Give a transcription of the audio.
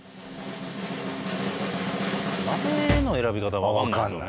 豆の選び方分かんないすよね